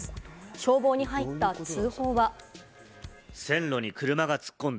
消防に入った通報は。